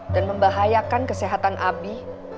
dan membahayakan kesehatan abi